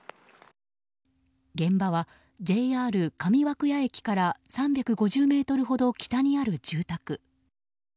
現場はＪＲ上涌谷駅から３５０ｍほど北にある住宅。